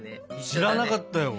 知らなかったよ。